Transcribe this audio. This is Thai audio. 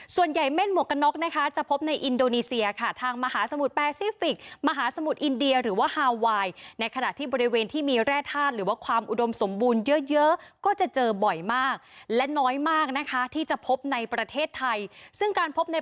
ส่วนใหญ่เม่นหมวกกันน็อกนะคะจะพบในอินโดนีเซียค่ะทางมหาสมุทรแปซิฟิกมหาสมุทรอินเดียหรือว่าฮาไวน์ในขณะที่บริเวณที่มีแร่ธาตุหรือว่าความอุดมสมบูรณ์เยอะเยอะก็จะเจอบ่อยมากและน้อยมากนะคะที่จะพบในประเทศไทยซึ่งการพบใน